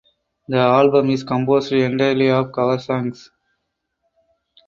The album is composed entirely of cover songs.